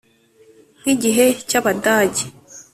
Nk igihe cy abadage